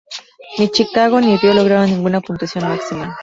Ni Chicago ni Río lograron ninguna puntuación máxima.